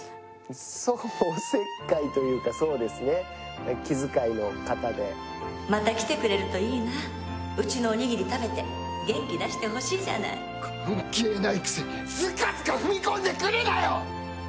そうお節介というかそうですね気遣いの方でまた来てくれるといいなうちのおにぎり食べて元気出してほしいじゃない関係ないくせにズカズカ踏み込んでくるなよ！